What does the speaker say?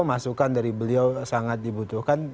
masukan dari beliau sangat dibutuhkan